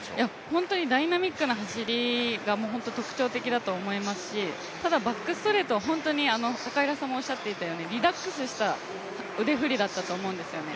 本当にダイナミックな走りが特徴的だと思いますしただ、バックストレート、リラックスした腕振りだったと思うんですよね。